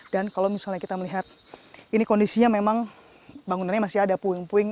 dan kalau misalnya kita melihat ini kondisinya memang bangunannya masih ada puing puing